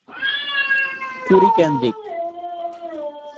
কুঁড়ি কেন্দ্রিক।